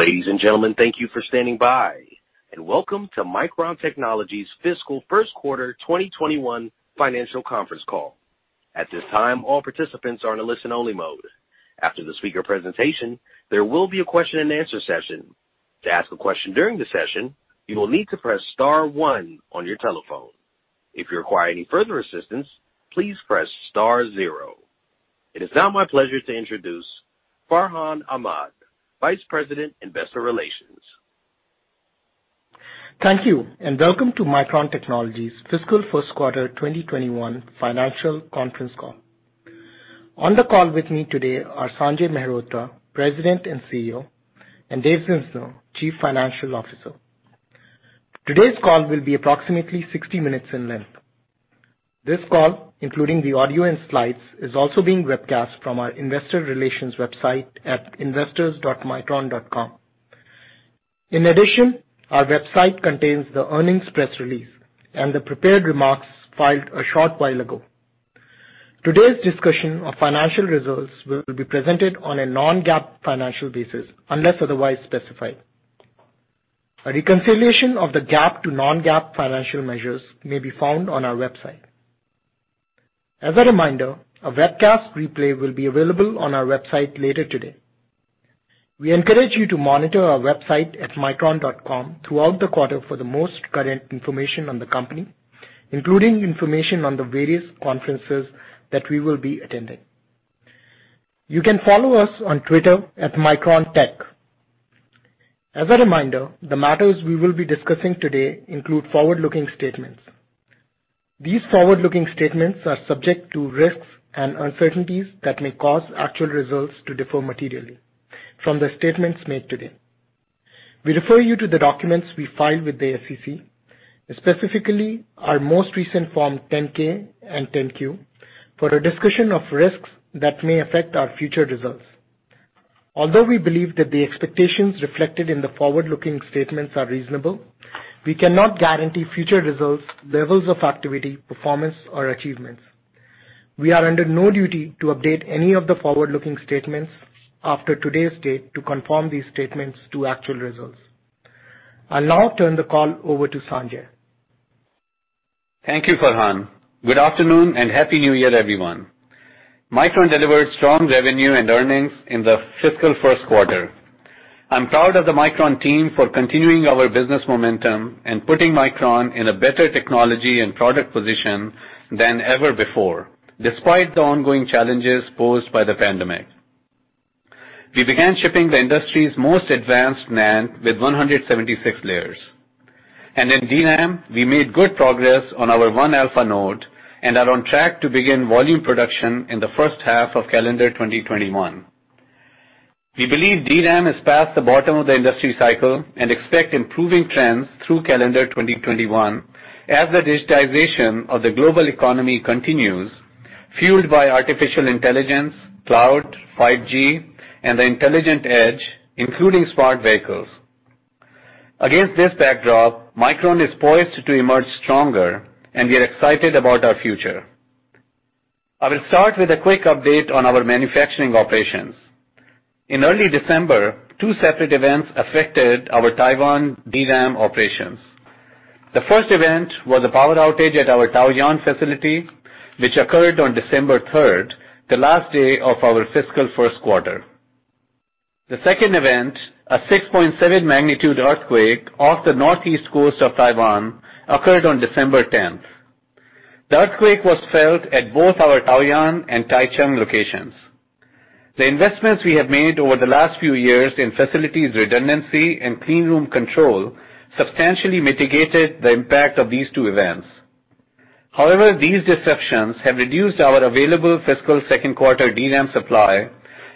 Ladies and gentlemen, thank you for standing by, and welcome to Micron Technology's fiscal first quarter 2021 financial conference call. At this time, all participants are in a listen-only mode. After the speaker presentation, there will be a question and answer session. To ask a question during the session, you will need to press star one on your telephone. If you require any further assistance, please press star zero. It is now my pleasure to introduce Farhan Ahmad, Vice President, Investor Relations. Thank you, and welcome to Micron Technology's fiscal first quarter 2021 financial conference call. On the call with me today are Sanjay Mehrotra, President and CEO, and David Zinsner, Chief Financial Officer. Today's call will be approximately 60 minutes in length. This call, including the audio and slides, is also being webcast from our investor relations website at investors.micron.com. In addition, our website contains the earnings press release and the prepared remarks filed a short while ago. Today's discussion of financial results will be presented on a non-GAAP financial basis, unless otherwise specified. A reconciliation of the GAAP to non-GAAP financial measures may be found on our website. As a reminder, a webcast replay will be available on our website later today. We encourage you to monitor our website at micron.com throughout the quarter for the most current information on the company, including information on the various conferences that we will be attending. You can follow us on Twitter @MicronTech. As a reminder, the matters we will be discussing today include forward-looking statements. These forward-looking statements are subject to risks and uncertainties that may cause actual results to differ materially from the statements made today. We refer you to the documents we filed with the SEC, specifically our most recent Form 10-K and 10-Q, for a discussion of risks that may affect our future results. Although we believe that the expectations reflected in the forward-looking statements are reasonable, we cannot guarantee future results, levels of activity, performance, or achievements. We are under no duty to update any of the forward-looking statements after today's date to confirm these statements to actual results. I'll now turn the call over to Sanjay. Thank you, Farhan. Good afternoon, and Happy New Year, everyone. Micron delivered strong revenue and earnings in the fiscal first quarter. I'm proud of the Micron team for continuing our business momentum and putting Micron in a better technology and product position than ever before, despite the ongoing challenges posed by the pandemic. We began shipping the industry's most advanced NAND with 176 layers. In DRAM, we made good progress on our one alpha node and are on track to begin volume production in the first half of calendar 2021. We believe DRAM has passed the bottom of the industry cycle and expect improving trends through calendar 2021 as the digitization of the global economy continues, fueled by artificial intelligence, cloud, 5G, and the intelligent edge, including smart vehicles. Against this backdrop, Micron is poised to emerge stronger, and we are excited about our future. I will start with a quick update on our manufacturing operations. In early December, two separate events affected our Taiwan DRAM operations. The first event was a power outage at our Taoyuan facility, which occurred on December 3rd, the last day of our fiscal first quarter. The second event, a 6.7 magnitude earthquake off the northeast coast of Taiwan, occurred on December 10th. The earthquake was felt at both our Taoyuan and Taichung locations. The investments we have made over the last few years in facilities redundancy and clean room control substantially mitigated the impact of these two events. However, these disruptions have reduced our available fiscal second quarter DRAM supply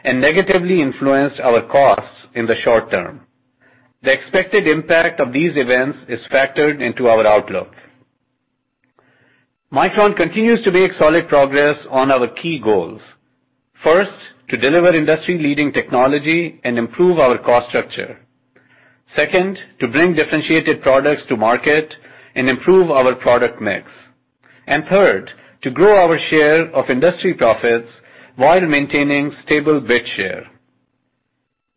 and negatively influenced our costs in the short term. The expected impact of these events is factored into our outlook. Micron continues to make solid progress on our key goals. First, to deliver industry-leading technology and improve our cost structure. Second, to bring differentiated products to market and improve our product mix. Third, to grow our share of industry profits while maintaining stable bit share.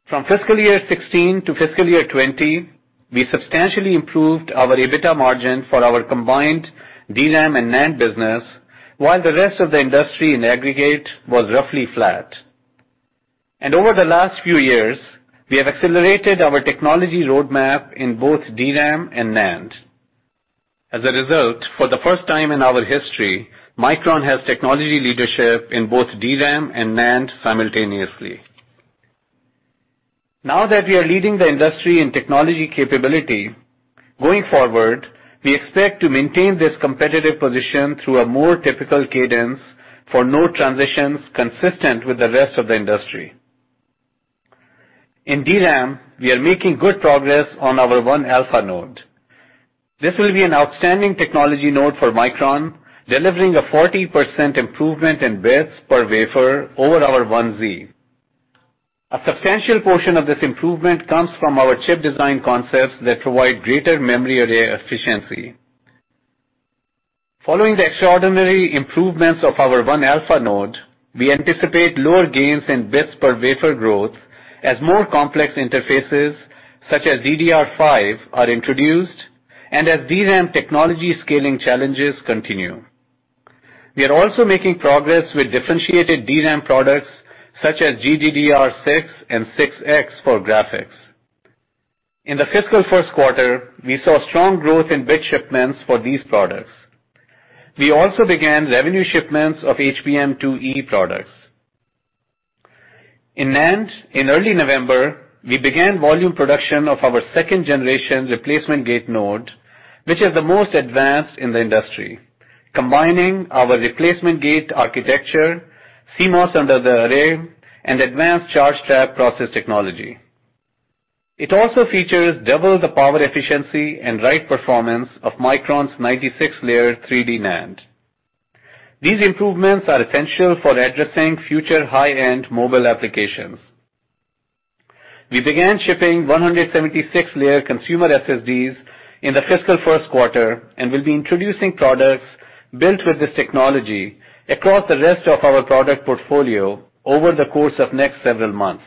From fiscal year 2016 to fiscal year 2020, we substantially improved our EBITDA margin for our combined DRAM and NAND business, while the rest of the industry in aggregate was roughly flat. Over the last few years, we have accelerated our technology roadmap in both DRAM and NAND. As a result, for the first time in our history, Micron has technology leadership in both DRAM and NAND simultaneously. Now that we are leading the industry in technology capability, going forward, we expect to maintain this competitive position through a more typical cadence for node transitions consistent with the rest of the industry. In DRAM, we are making good progress on our one alpha node. This will be an outstanding technology node for Micron, delivering a 40% improvement in bits per wafer over our 1z. A substantial portion of this improvement comes from our chip design concepts that provide greater memory array efficiency. Following the extraordinary improvements of our one alpha node, we anticipate lower gains in bits per wafer growth as more complex interfaces such as DDR5 are introduced and as DRAM technology scaling challenges continue. We are also making progress with differentiated DRAM products such as GDDR6 and GDDR6X for graphics. In the fiscal first quarter, we saw strong growth in bit shipments for these products. We also began revenue shipments of HBM2E products. In NAND, in early November, we began volume production of our second generation replacement gate node, which is the most advanced in the industry, combining our replacement gate architecture, CMOS under the array, and advanced charge trap process technology. It also features double the power efficiency and write performance of Micron’s 96-layer 3D NAND. These improvements are essential for addressing future high-end mobile applications. We began shipping 176-layer consumer SSDs in the fiscal first quarter and will be introducing products built with this technology across the rest of our product portfolio over the course of next several months.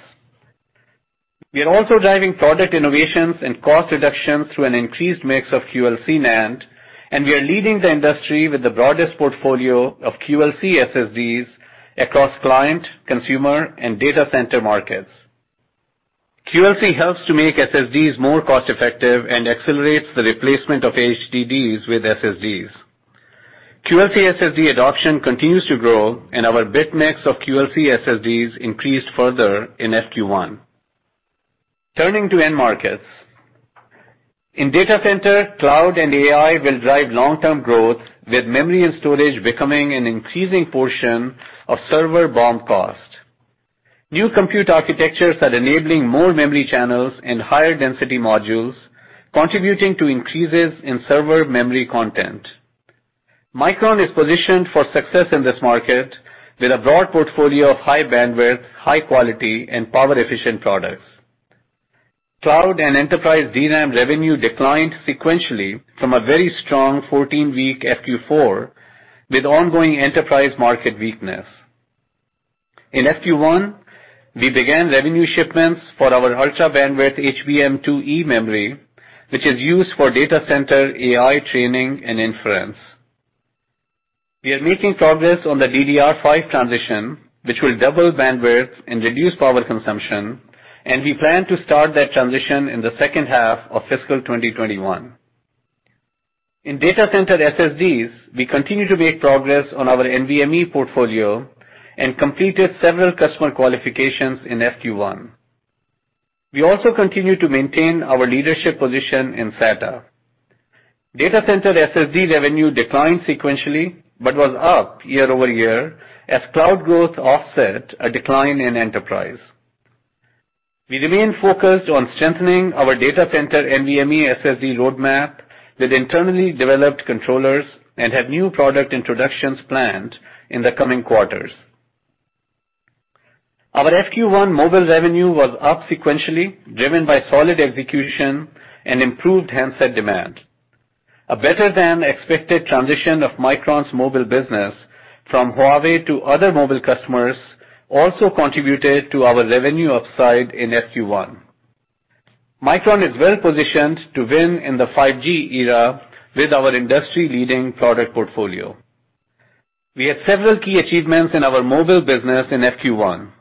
We are also driving product innovations and cost reductions through an increased mix of QLC NAND, and we are leading the industry with the broadest portfolio of QLC SSDs across client, consumer, and data center markets. QLC helps to make SSDs more cost-effective and accelerates the replacement of HDDs with SSDs. QLC SSD adoption continues to grow, and our bit mix of QLC SSDs increased further in FY 2021. Turning to end markets. In data center, cloud and AI will drive long-term growth, with memory and storage becoming an increasing portion of server BOM cost. New compute architectures are enabling more memory channels and higher density modules, contributing to increases in server memory content. Micron is positioned for success in this market with a broad portfolio of high bandwidth, high quality, and power-efficient products. Cloud and enterprise DRAM revenue declined sequentially from a very strong 14-week FQ4 with ongoing enterprise market weakness. In FY 2021, we began revenue shipments for our ultra bandwidth HBM2E memory, which is used for data center, AI training, and inference. We are making progress on the DDR5 transition, which will double bandwidth and reduce power consumption, and we plan to start that transition in the second half of fiscal 2021. In data center SSDs, we continue to make progress on our NVMe portfolio and completed several customer qualifications in FQ1. We also continue to maintain our leadership position in SATA. Data center SSD revenue declined sequentially but was up year-over-year as cloud growth offset a decline in enterprise. We remain focused on strengthening our data center NVMe SSD roadmap with internally developed controllers and have new product introductions planned in the coming quarters. Our FQ1 mobile revenue was up sequentially, driven by solid execution and improved handset demand. A better-than-expected transition of Micron's mobile business from Huawei to other mobile customers also contributed to our revenue upside in FQ1. Micron is well positioned to win in the 5G era with our industry-leading product portfolio. We had several key achievements in our mobile business in FY 2021.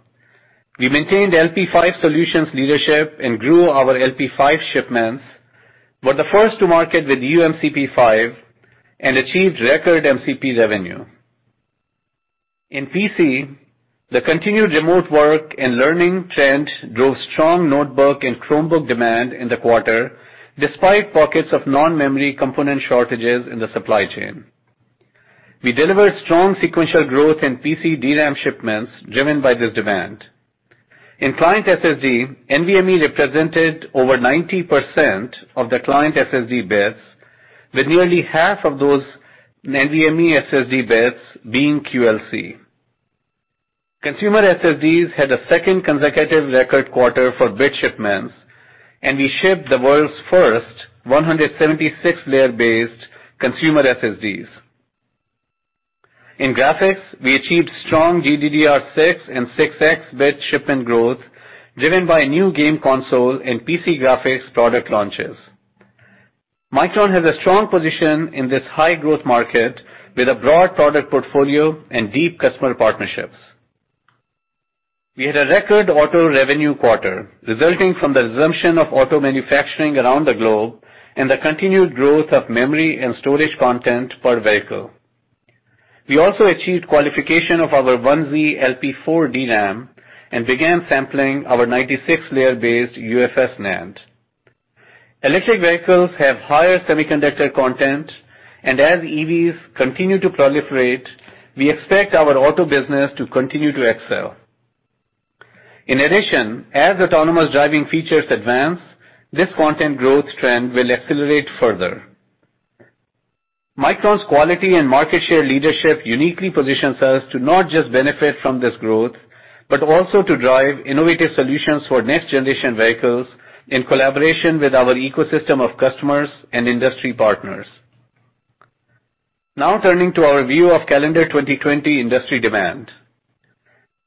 We maintained LP5 solutions leadership and grew our LP5 shipments. We're the first to market with uMCP5 and achieved record MCP revenue. In PC, the continued remote work and learning trend drove strong Notebook and Chromebook demand in the quarter, despite pockets of non-memory component shortages in the supply chain. We delivered strong sequential growth in PC DRAM shipments driven by this demand. In client SSD, NVMe represented over 90% of the client SSD bits, with nearly half of those NVMe SSD bits being QLC. Consumer SSDs had a second consecutive record quarter for bit shipments, and we shipped the world's first 176-layer-based consumer SSDs. In graphics, we achieved strong GDDR6 and GDDR6X bit shipment growth, driven by new game console and PC graphics product launches. Micron has a strong position in this high-growth market with a broad product portfolio and deep customer partnerships. We had a record auto revenue quarter resulting from the resumption of auto manufacturing around the globe and the continued growth of memory and storage content per vehicle. We also achieved qualification of our 1z LPDDR4 DRAM and began sampling our 96-layer based UFS NAND. Electric vehicles have higher semiconductor content. As EVs continue to proliferate, we expect our auto business to continue to excel. In addition, as autonomous driving features advance, this content growth trend will accelerate further. Micron's quality and market share leadership uniquely positions us to not just benefit from this growth but also to drive innovative solutions for next generation vehicles in collaboration with our ecosystem of customers and industry partners. Now turning to our view of calendar 2020 industry demand.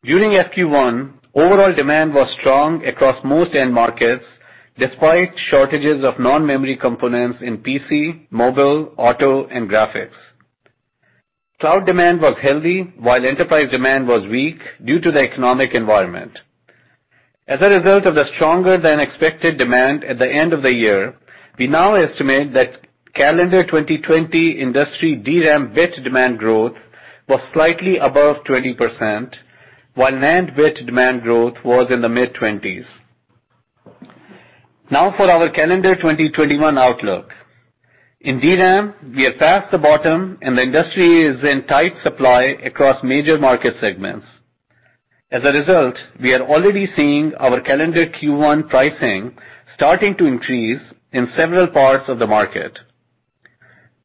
During FQ1, overall demand was strong across most end markets, despite shortages of non-memory components in PC, mobile, auto, and graphics. Cloud demand was healthy, while enterprise demand was weak due to the economic environment. As a result of the stronger than expected demand at the end of the year, we now estimate that calendar 2020 industry DRAM bit demand growth was slightly above 20%, while NAND bit demand growth was in the mid-20s. Now for our calendar 2021 outlook. In DRAM, we are past the bottom, and the industry is in tight supply across major market segments. As a result, we are already seeing our calendar Q1 pricing starting to increase in several parts of the market.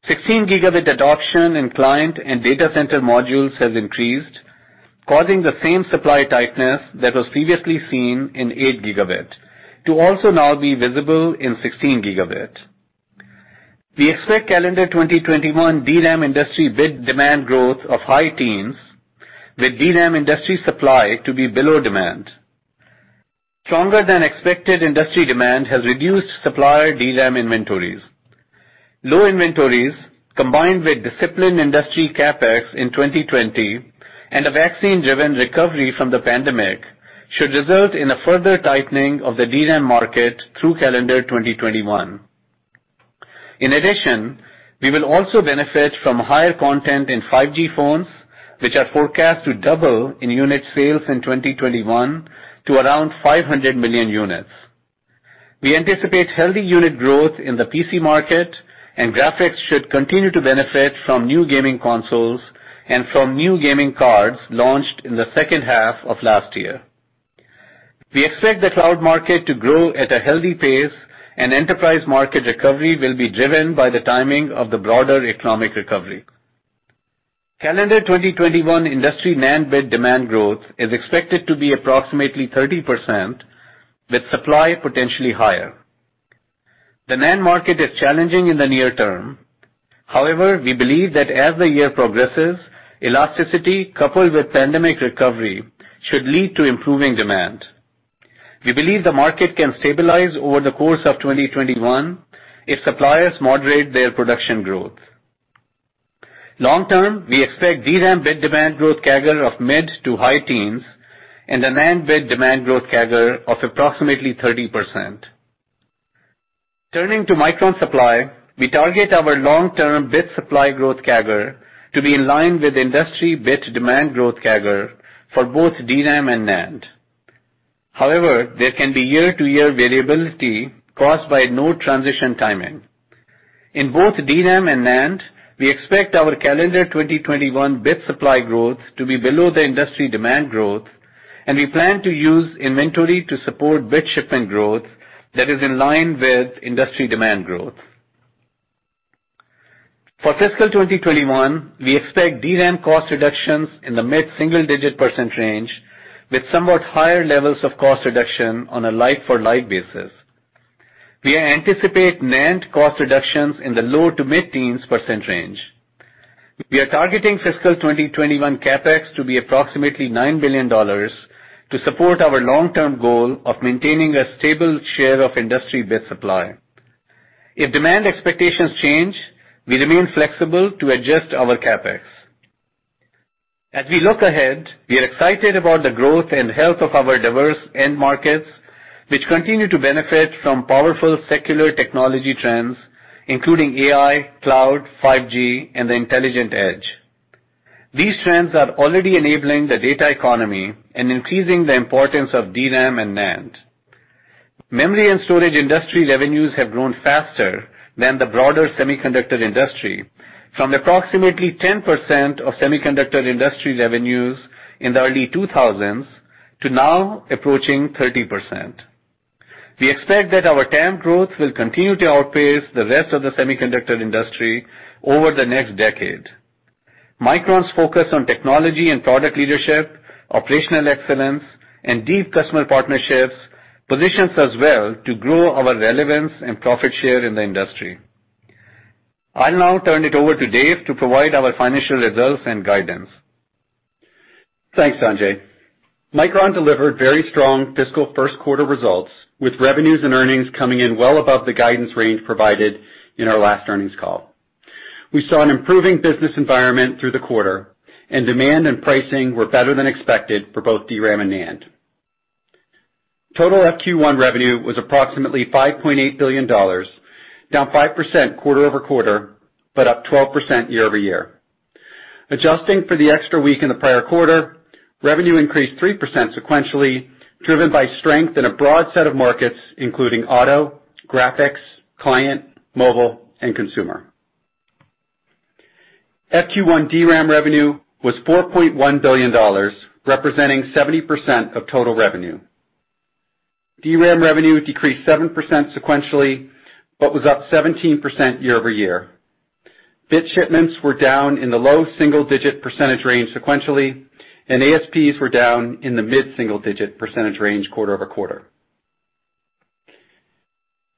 16 Gb adoption in client and data center modules has increased, causing the same supply tightness that was previously seen in 8 Gb to also now be visible in 16 Gb. We expect calendar 2021 DRAM industry bit demand growth of high teens, with DRAM industry supply to be below demand. Stronger than expected industry demand has reduced supplier DRAM inventories. Low inventories, combined with disciplined industry CapEx in 2020 and a vaccine-driven recovery from the pandemic, should result in a further tightening of the DRAM market through calendar 2021. In addition, we will also benefit from higher content in 5G phones, which are forecast to double in unit sales in 2021 to around 500 million units. We anticipate healthy unit growth in the PC market, and graphics should continue to benefit from new gaming consoles and from new gaming cards launched in the second half of last year. We expect the cloud market to grow at a healthy pace, and enterprise market recovery will be driven by the timing of the broader economic recovery. Calendar 2021 industry NAND bit demand growth is expected to be approximately 30%, with supply potentially higher. The NAND market is challenging in the near term. However, we believe that as the year progresses, elasticity coupled with pandemic recovery should lead to improving demand. We believe the market can stabilize over the course of 2021 if suppliers moderate their production growth. Long term, we expect DRAM bit demand growth CAGR of mid to high teens and a NAND bit demand growth CAGR of approximately 30%. Turning to Micron supply, we target our long-term bit supply growth CAGR to be in line with industry bit demand growth CAGR for both DRAM and NAND. However, there can be year-to-year variability caused by node transition timing. In both DRAM and NAND, we expect our calendar 2021 bit supply growth to be below the industry demand growth, and we plan to use inventory to support bit shipment growth that is in line with industry demand growth. For fiscal 2021, we expect DRAM cost reductions in the mid-single digit percent range, with somewhat higher levels of cost reduction on a like-for-like basis. We anticipate NAND cost reductions in the low to mid-teens percent range. We are targeting fiscal 2021 CapEx to be approximately $9 billion to support our long-term goal of maintaining a stable share of industry bit supply. If demand expectations change, we remain flexible to adjust our CapEx. As we look ahead, we are excited about the growth and health of our diverse end markets, which continue to benefit from powerful secular technology trends, including AI, cloud, 5G, and the intelligent edge. These trends are already enabling the data economy and increasing the importance of DRAM and NAND. Memory and storage industry revenues have grown faster than the broader semiconductor industry from approximately 10% of semiconductor industry revenues in the early 2000s to now approaching 30%. We expect that our TAM growth will continue to outpace the rest of the semiconductor industry over the next decade. Micron's focus on technology and product leadership, operational excellence, and deep customer partnerships positions us well to grow our relevance and profit share in the industry. I'll now turn it over to Dave to provide our financial results and guidance. Thanks, Sanjay. Micron delivered very strong fiscal first quarter results, with revenues and earnings coming in well above the guidance range provided in our last earnings call. We saw an improving business environment through the quarter, and demand and pricing were better than expected for both DRAM and NAND. Total FQ1 revenue was approximately $5.8 billion, down 5% quarter-over-quarter, but up 12% year-over-year. Adjusting for the extra week in the prior quarter, revenue increased 3% sequentially, driven by strength in a broad set of markets, including auto, graphics, client, mobile, and consumer. FQ1 DRAM revenue was $4.1 billion, representing 70% of total revenue. DRAM revenue decreased 7% sequentially, but was up 17% year-over-year. Bit shipments were down in the low single-digit percentage range sequentially, and ASPs were down in the mid-single digit percentage range quarter-over-quarter.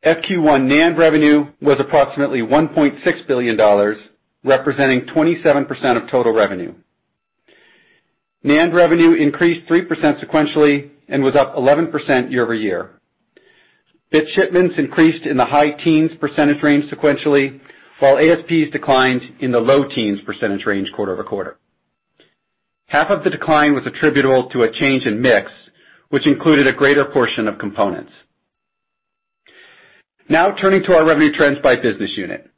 FQ1 NAND revenue was approximately $1.6 billion, representing 27% of total revenue. NAND revenue increased 3% sequentially and was up 11% year-over-year. Bit shipments increased in the high teens percentage range sequentially, while ASPs declined in the low teens percentage range quarter-over-quarter. Half of the decline was attributable to a change in mix, which included a greater portion of components. Now, turning to our revenue trends by business unit.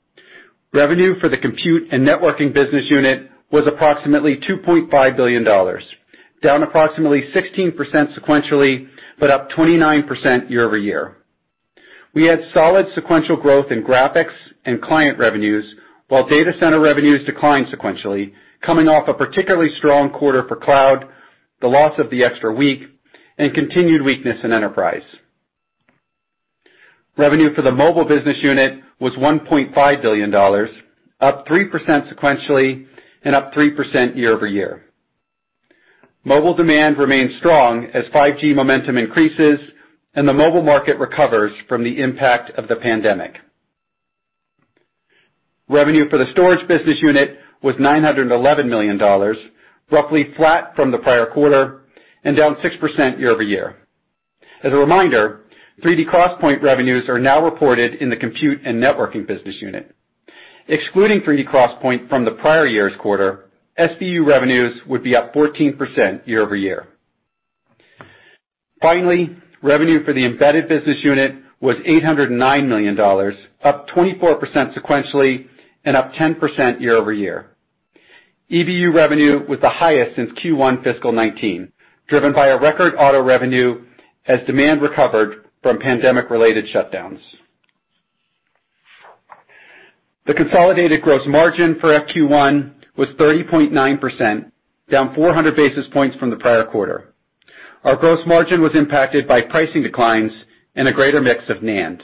Revenue for the compute and networking business unit was approximately $2.5 billion, down approximately 16% sequentially, but up 29% year-over-year. We had solid sequential growth in graphics and client revenues, while data center revenues declined sequentially, coming off a particularly strong quarter for cloud, the loss of the extra week, and continued weakness in enterprise. Revenue for the mobile business unit was $1.5 billion, up 3% sequentially and up 3% year-over-year. Mobile demand remains strong as 5G momentum increases and the mobile market recovers from the impact of the pandemic. Revenue for the storage business unit was $911 million, roughly flat from the prior quarter and down 6% year-over-year. As a reminder, 3D XPoint revenues are now reported in the compute and networking business unit. Excluding 3D XPoint from the prior year's quarter, SBU revenues would be up 14% year-over-year. Finally, revenue for the embedded business unit was $809 million, up 24% sequentially and up 10% year-over-year. EBU revenue was the highest since Q1 fiscal 2019, driven by a record auto revenue as demand recovered from pandemic-related shutdowns. The consolidated gross margin for FQ1 was 30.9%, down 400 basis points from the prior quarter. Our gross margin was impacted by pricing declines and a greater mix of NAND.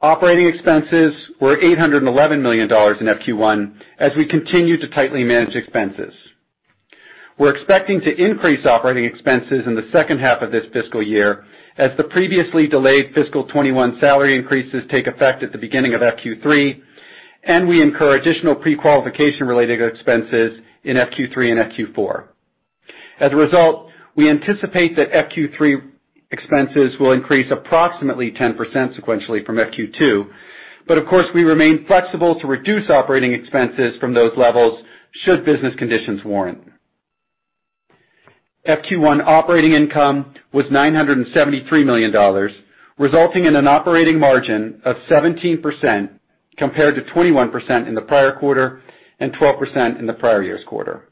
Operating expenses were $811 million in FQ1, as we continue to tightly manage expenses. We're expecting to increase operating expenses in the second half of this fiscal year as the previously delayed fiscal 2021 salary increases take effect at the beginning of FQ3, and we incur additional pre-qualification related expenses in FQ3 and FQ4. As a result, we anticipate that FQ3 expenses will increase approximately 10% sequentially from FQ2. Of course, we remain flexible to reduce operating expenses from those levels should business conditions warrant. FQ1 operating income was $973 million, resulting in an operating margin of 17%, compared to 21% in the prior quarter and 12% in the prior year's quarter.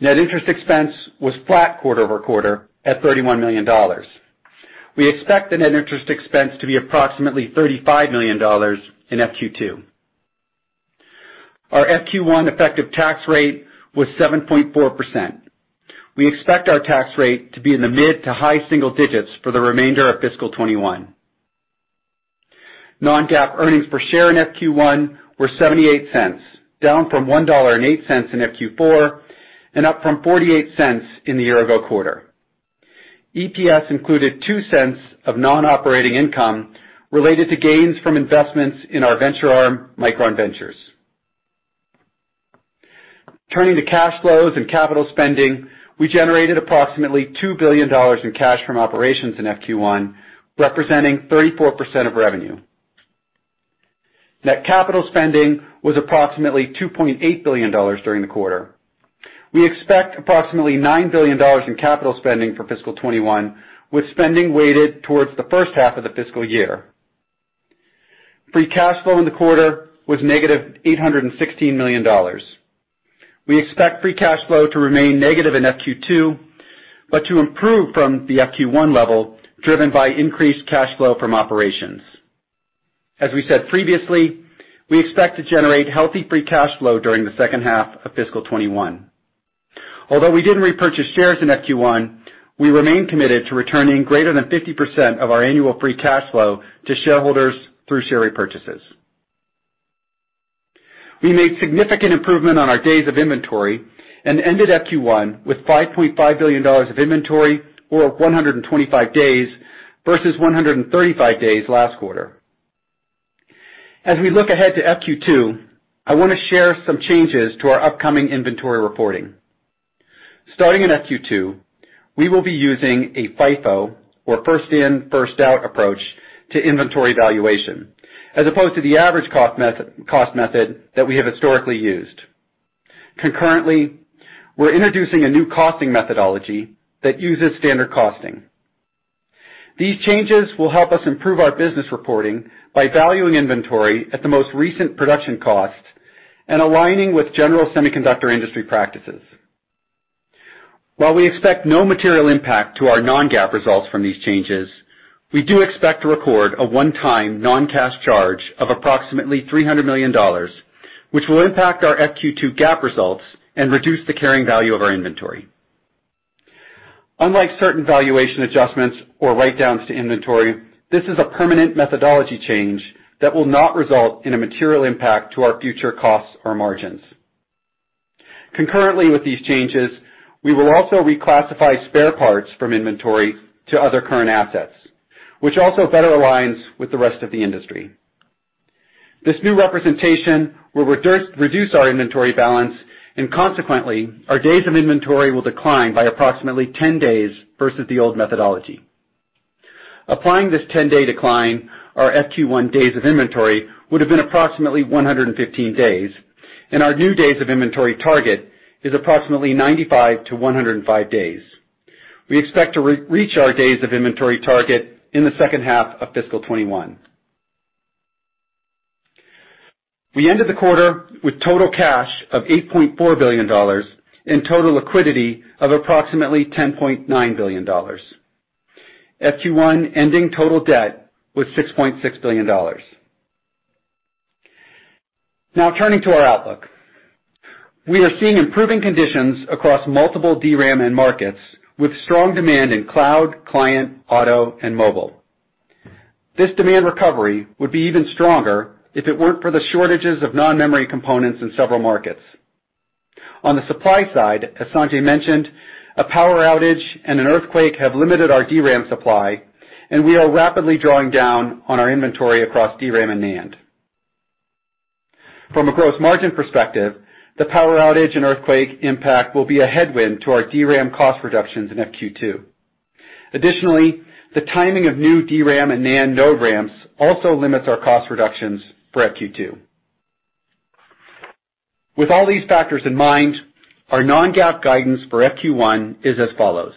Net interest expense was flat quarter-over-quarter at $31 million. We expect the net interest expense to be approximately $35 million in FQ2. Our FQ1 effective tax rate was 7.4%. We expect our tax rate to be in the mid to high single digits for the remainder of fiscal 2021. Non-GAAP earnings per share in FQ1 were $0.78, down from $1.08 in FQ4, and up from $0.48 in the year-ago quarter. EPS included $0.02 of non-operating income related to gains from investments in our venture arm, Micron Ventures. Turning to cash flows and capital spending. We generated approximately $2 billion in cash from operations in FQ1, representing 34% of revenue. Net capital spending was approximately $2.8 billion during the quarter. We expect approximately $9 billion in capital spending for fiscal 2021, with spending weighted towards the first half of the fiscal year. Free cash flow in the quarter was -$816 million. We expect free cash flow to remain negative in FQ2, but to improve from the FQ1 level, driven by increased cash flow from operations. As we said previously, we expect to generate healthy free cash flow during the second half of fiscal 2021. We didn't repurchase shares in FQ1, we remain committed to returning greater than 50% of our annual free cash flow to shareholders through share repurchases. We made significant improvement on our days of inventory and ended FQ1 with $5.5 billion of inventory, or 125 days versus 135 days last quarter. As we look ahead to FQ2, I want to share some changes to our upcoming inventory reporting. Starting in FQ2, we will be using a FIFO, or first in, first out approach to inventory valuation, as opposed to the average cost method that we have historically used. Concurrently, we're introducing a new costing methodology that uses standard costing. These changes will help us improve our business reporting by valuing inventory at the most recent production cost and aligning with general semiconductor industry practices. While we expect no material impact to our non-GAAP results from these changes. We do expect to record a one-time non-cash charge of approximately $300 million, which will impact our FQ2 GAAP results and reduce the carrying value of our inventory. Unlike certain valuation adjustments or write-downs to inventory, this is a permanent methodology change that will not result in a material impact to our future costs or margins. Concurrently with these changes, we will also reclassify spare parts from inventory to other current assets, which also better aligns with the rest of the industry. This new representation will reduce our inventory balance, and consequently, our days of inventory will decline by approximately 10 days versus the old methodology. Applying this 10-day decline, our FQ1 days of inventory would have been approximately 115 days, and our new days of inventory target is approximately 95-105 days. We expect to reach our days of inventory target in the second half of fiscal 2021. We ended the quarter with total cash of $8.4 billion and total liquidity of approximately $10.9 billion. FQ1 ending total debt was $6.6 billion. Now turning to our outlook. We are seeing improving conditions across multiple DRAM end markets with strong demand in cloud, client, auto, and mobile. This demand recovery would be even stronger if it weren't for the shortages of non-memory components in several markets. On the supply side, as Sanjay mentioned, a power outage and an earthquake have limited our DRAM supply, and we are rapidly drawing down on our inventory across DRAM and NAND. From a gross margin perspective, the power outage and earthquake impact will be a headwind to our DRAM cost reductions in FQ2. Additionally, the timing of new DRAM and NAND node ramps also limits our cost reductions for FQ2. With all these factors in mind, our non-GAAP guidance for FQ1 is as follows.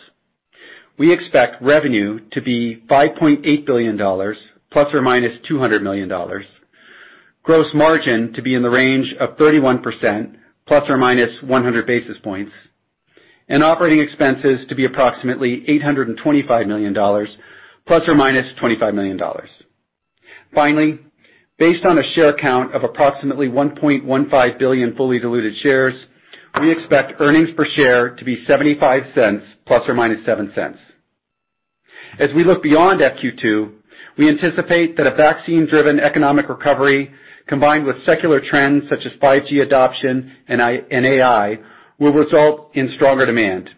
We expect revenue to be $5.8 billion plus or minus $200 million, gross margin to be in the range of 31% plus or minus 100 basis points, and operating expenses to be approximately $825 million plus or minus $25 million. Finally, based on a share count of approximately $1.15 billion fully diluted shares, we expect earnings per share to be 0.75 plus or minus 0.07. As we look beyond FQ2, we anticipate that a vaccine-driven economic recovery, combined with secular trends such as 5G adoption and AI, will result in stronger demand.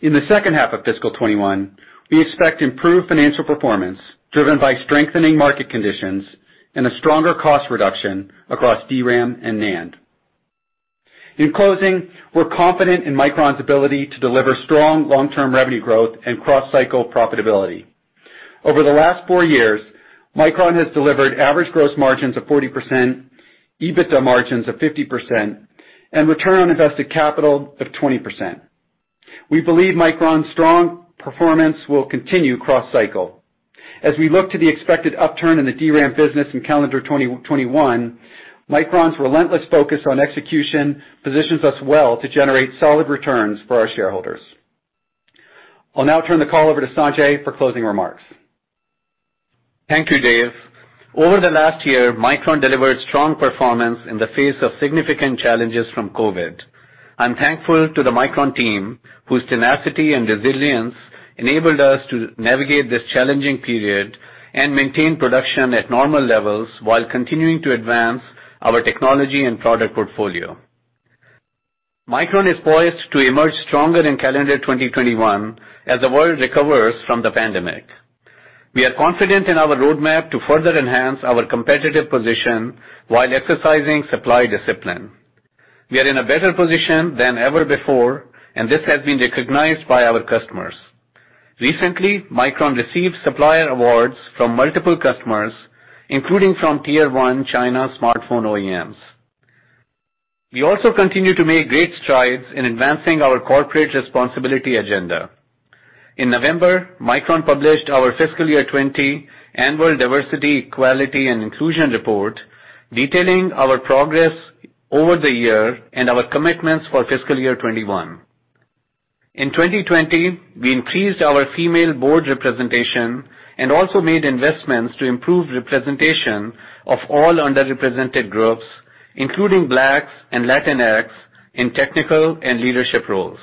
In the second half of fiscal 2021, we expect improved financial performance driven by strengthening market conditions and a stronger cost reduction across DRAM and NAND. In closing, we're confident in Micron's ability to deliver strong long-term revenue growth and cross-cycle profitability. Over the last four years, Micron has delivered average gross margins of 40%, EBITDA margins of 50%, and return on invested capital of 20%. We believe Micron's strong performance will continue cross-cycle. As we look to the expected upturn in the DRAM business in calendar 2021, Micron's relentless focus on execution positions us well to generate solid returns for our shareholders. I'll now turn the call over to Sanjay for closing remarks. Thank you, Dave. Over the last year, Micron delivered strong performance in the face of significant challenges from COVID. I'm thankful to the Micron team, whose tenacity and resilience enabled us to navigate this challenging period and maintain production at normal levels while continuing to advance our technology and product portfolio. Micron is poised to emerge stronger in calendar 2021 as the world recovers from the pandemic. We are confident in our roadmap to further enhance our competitive position while exercising supply discipline. We are in a better position than ever before, and this has been recognized by our customers. Recently, Micron received supplier awards from multiple customers, including from Tier 1 China smartphone OEMs. We also continue to make great strides in advancing our corporate responsibility agenda. In November, Micron published our fiscal year 2020 annual diversity, equality, and inclusion report, detailing our progress over the year and our commitments for fiscal year 2021. In 2020, we increased our female board representation and also made investments to improve representation of all underrepresented groups, including Blacks and Latinx, in technical and leadership roles.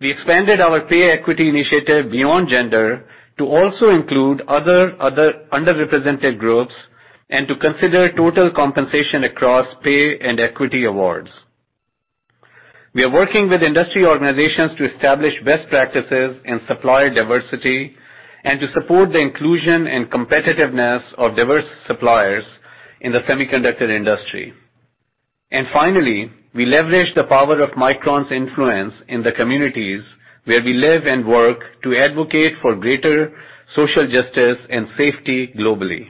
We expanded our pay equity initiative beyond gender to also include other underrepresented groups and to consider total compensation across pay and equity awards. We are working with industry organizations to establish best practices in supplier diversity and to support the inclusion and competitiveness of diverse suppliers in the semiconductor industry. Finally, we leverage the power of Micron's influence in the communities where we live and work to advocate for greater social justice and safety globally.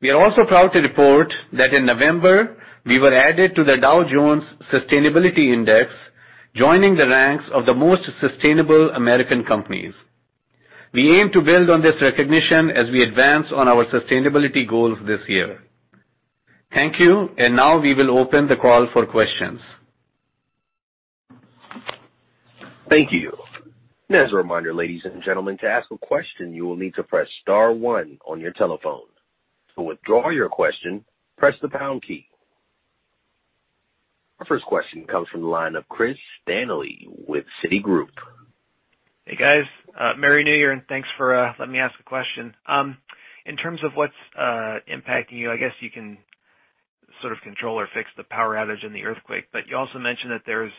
We are also proud to report that in November, we were added to the Dow Jones Sustainability Index, joining the ranks of the most sustainable American companies. We aim to build on this recognition as we advance on our sustainability goals this year. Thank you. Now we will open the call for questions. Thank you. As a reminder, ladies and gentlemen, to ask a question, you will need to press star one on your telephone. To withdraw your question, press the pound key. Our first question comes from the line of Chris Danely with Citi. Hey, guys. Merry New Year, and thanks for letting me ask a question. In terms of what's impacting you, I guess you can sort of control or fix the power outage and the earthquake, but you also mentioned that there's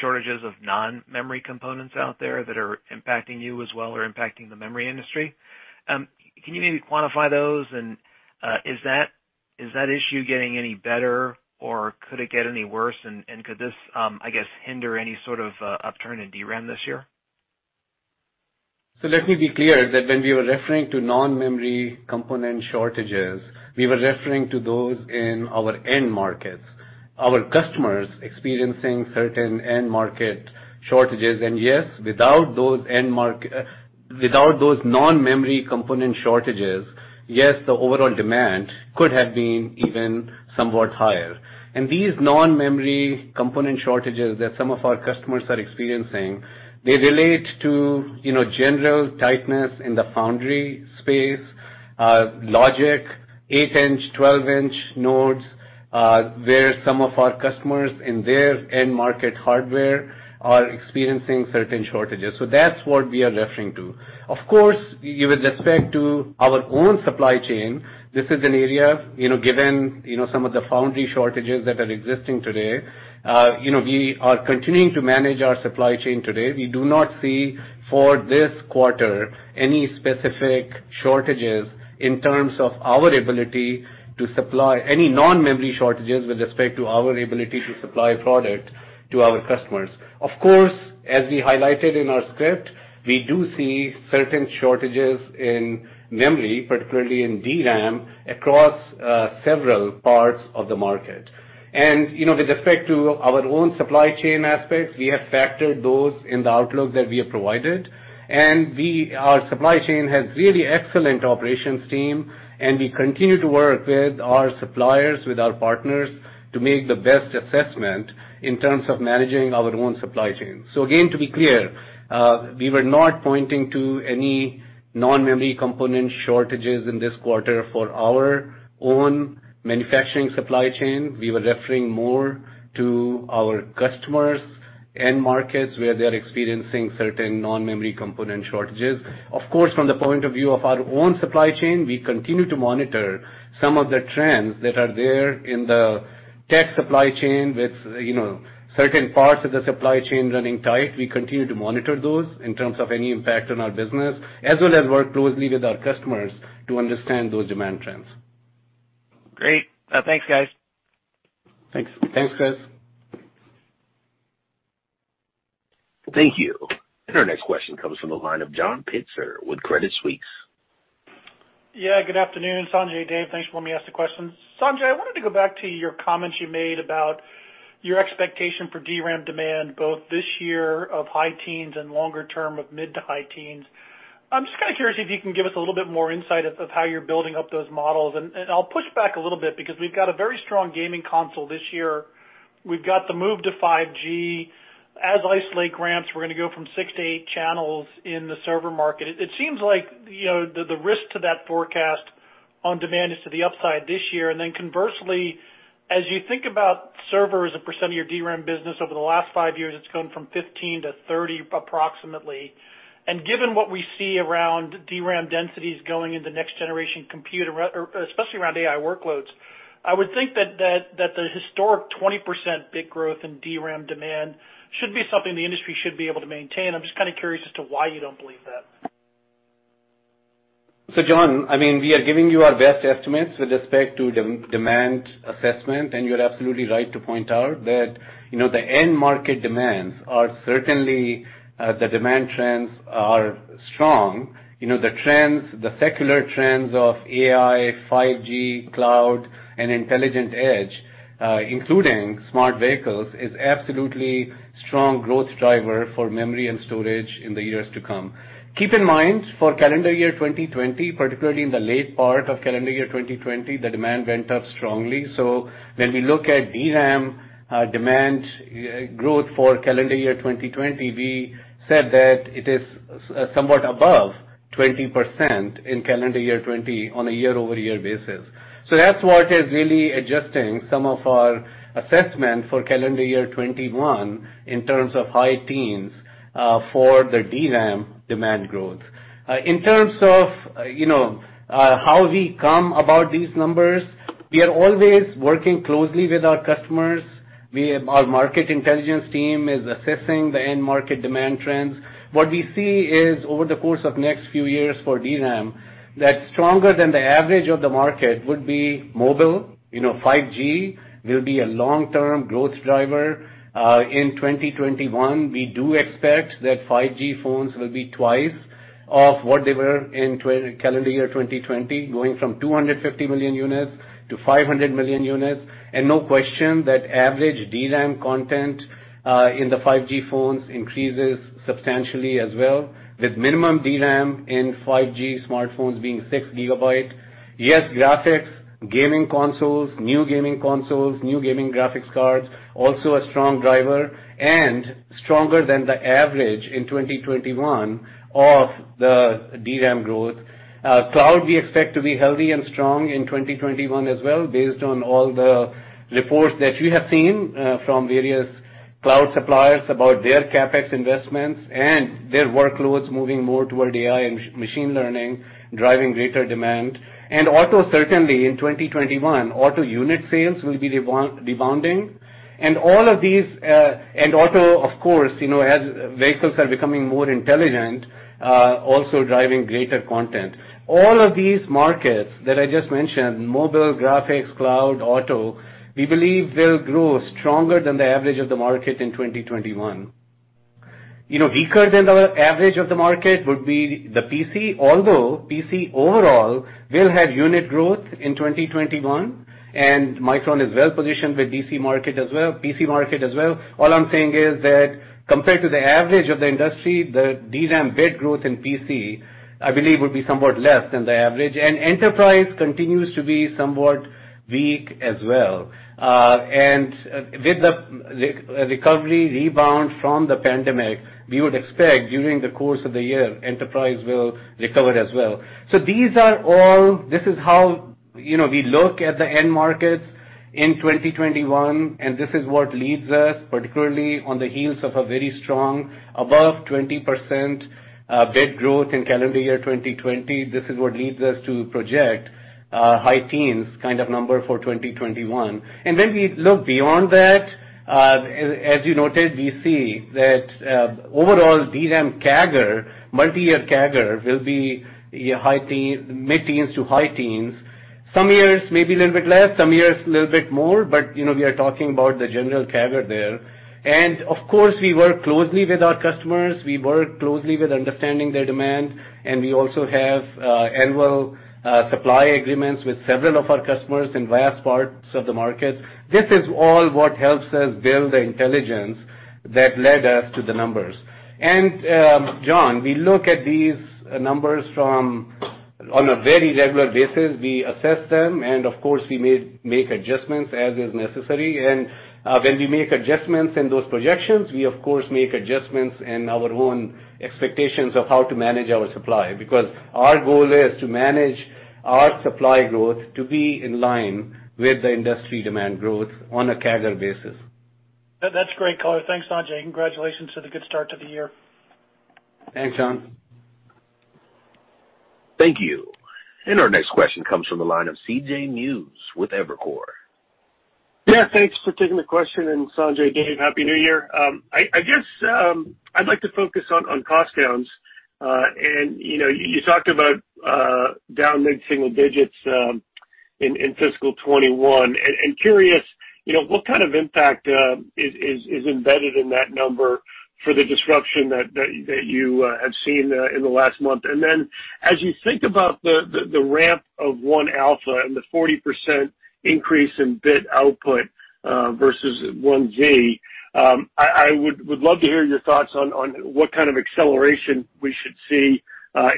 shortages of non-memory components out there that are impacting you as well or impacting the memory industry. Can you maybe quantify those, and is that issue getting any better or could it get any worse? Could this, I guess, hinder any sort of, upturn in DRAM this year? Let me be clear that when we were referring to non-memory component shortages, we were referring to those in our end markets, our customers experiencing certain end market shortages. Yes, without those non-memory component shortages, yes, the overall demand could have been even somewhat higher. These non-memory component shortages that some of our customers are experiencing, they relate to general tightness in the foundry space, logic, 8-in, 12-in nodes, where some of our customers in their end-market hardware are experiencing certain shortages. That's what we are referring to. Of course, with respect to our own supply chain, this is an area, given some of the foundry shortages that are existing today, we are continuing to manage our supply chain today. We do not see, for this quarter, any specific shortages in terms of our ability to supply any non-memory shortages with respect to our ability to supply product to our customers. Of course, as we highlighted in our script, we do see certain shortages in memory, particularly in DRAM, across several parts of the market. with respect to our own supply chain aspects, we have factored those in the outlook that we have provided. Our supply chain has really excellent operations team, and we continue to work with our suppliers, with our partners to make the best assessment in terms of managing our own supply chain. Again, to be clear, we were not pointing to any non-memory component shortages in this quarter for our own manufacturing supply chain. We were referring more to our customers' end markets, where they're experiencing certain non-memory component shortages. Of course, from the point of view of our own supply chain, we continue to monitor some of the trends that are there in the tech supply chain with certain parts of the supply chain running tight. We continue to monitor those in terms of any impact on our business, as well as work closely with our customers to understand those demand trends. Great. Thanks, guys. Thanks. Thanks, Chris. Thank you. Our next question comes from the line of John Pitzer with Credit Suisse. Yeah, good afternoon, Sanjay, Dave. Thanks for letting me ask the question. Sanjay, I wanted to go back to your comments you made about your expectation for DRAM demand, both this year of high teens and longer term of mid to high teens. I'm just kind of curious if you can give us a little bit more insight of how you're building up those models. I'll push back a little bit because we've got a very strong gaming console this year. We've got the move to 5G. As Ice Lake ramps, we're going to go from six to eight channels in the server market. It seems like the risk to that forecast on demand is to the upside this year. Conversely, as you think about servers, a percent of your DRAM business over the last five years, it's gone from 15%-30% approximately. Given what we see around DRAM densities going into next generation compute, especially around AI workloads, I would think that the historic 20% bit growth in DRAM demand should be something the industry should be able to maintain. I'm just kind of curious as to why you don't believe that. John, we are giving you our best estimates with respect to demand assessment, and you're absolutely right to point out that the end market demands are certainly, the demand trends are strong. The secular trends of AI, 5G, cloud, and intelligent edge, including smart vehicles, is absolutely strong growth driver for memory and storage in the years to come. Keep in mind, for calendar year 2020, particularly in the late part of calendar year 2020, the demand went up strongly. When we look at DRAM demand growth for calendar year 2020, we said that it is somewhat above 20% in calendar year 2020 on a year-over-year basis. That's what is really adjusting some of our assessment for calendar year 2021 in terms of high teens for the DRAM demand growth. In terms of how we come about these numbers, we are always working closely with our customers. Our market intelligence team is assessing the end market demand trends. What we see is over the course of next few years for DRAM, that stronger than the average of the market would be mobile. 5G will be a long-term growth driver. In 2021, we do expect that 5G phones will be twice of what they were in calendar year 2020, going from 250 million units to 500 million units. No question that average DRAM content in the 5G phones increases substantially as well, with minimum DRAM in 5G smartphones being 6 Gb. Yes, graphics, gaming consoles, new gaming consoles, new gaming graphics cards, also a strong driver, and stronger than the average in 2021 of the DRAM growth. Cloud, we expect to be healthy and strong in 2021 as well, based on all the reports that you have seen from various cloud suppliers about their CapEx investments and their workloads moving more toward AI and machine learning, driving greater demand. auto, certainly in 2021, auto unit sales will be rebounding. auto, of course, as vehicles are becoming more intelligent, also driving greater content. All of these markets that I just mentioned, mobile, graphics, cloud, auto, we believe will grow stronger than the average of the market in 2021. Weaker than the average of the market would be the PC, although PC overall will have unit growth in 2021, and Micron is well positioned with PC market as well. All I'm saying is that compared to the average of the industry, the DRAM bit growth in PC, I believe, will be somewhat less than the average. Enterprise continues to be somewhat weak as well. With the recovery rebound from the pandemic, we would expect during the course of the year, enterprise will recover as well. This is how we look at the end markets in 2021, and this is what leads us, particularly on the heels of a very strong, above 20% bit growth in calendar year 2020. This is what leads us to project a high teens kind of number for 2021. When we look beyond that, as you noted, we see that overall DRAM CAGR, multi-year CAGR, will be mid-teens to high teens. Some years, maybe a little bit less, some years a little bit more, but we are talking about the general CAGR there. Of course, we work closely with our customers, we work closely with understanding their demand, and we also have annual supply agreements with several of our customers in vast parts of the market. This is all what helps us build the intelligence that led us to the numbers. John, we look at these numbers from, on a very regular basis. We assess them and, of course, we make adjustments as is necessary. When we make adjustments in those projections, we, of course, make adjustments in our own expectations of how to manage our supply, because our goal is to manage our supply growth to be in line with the industry demand growth on a CAGR basis. That's great color. Thanks, Sanjay. Congratulations on the good start to the year. Thanks, John. Thank you. Our next question comes from the line of C.J. Muse with Evercore. Yeah, thanks for taking the question. Sanjay, Dave, Happy New Year. I guess, I'd like to focus on cost downs. You talked about down mid-single digits in fiscal 2021, and curious what kind of impact is embedded in that number for the disruption that you have seen in the last month? As you think about the ramp of 1α and the 40% increase in bit output versus 1z, I would love to hear your thoughts on what kind of acceleration we should see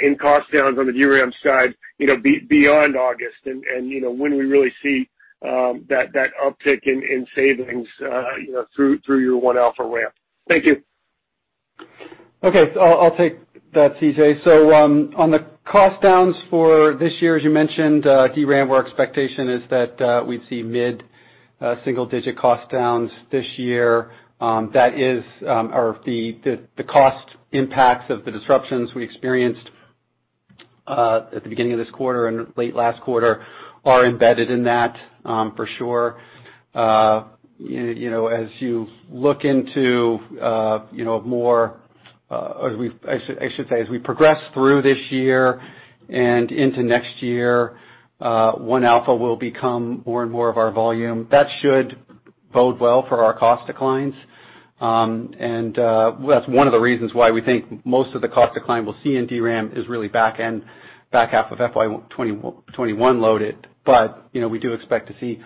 in cost downs on the DRAM side beyond August and when we really see that uptick in savings through your 1α ramp. Thank you. Okay. I'll take that, C.J. On the cost downs for this year, as you mentioned, DRAM, our expectation is that we'd see mid-single digit cost downs this year. That is, or the cost impacts of the disruptions we experienced at the beginning of this quarter and late last quarter are embedded in that, for sure. As you look into more. I should say, as we progress through this year and into next year, 1-alpha will become more and more of our volume. That should bode well for our cost declines. That's one of the reasons why we think most of the cost decline we'll see in DRAM is really back end, back half of FY 2021 loaded. We do expect to see